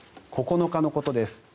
９日のことです